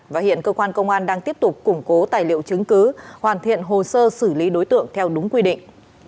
và hiện cơ quan công an đang tiếp tục củng cố tài liệu chứng cứ hoàn thiện hồ sơ xử lý đối tượng theo đúng quy định